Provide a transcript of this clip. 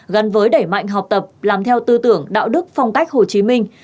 gắn với đẩy mạnh học tập làm theo tư tưởng đạo đức phong cách hồ chí minh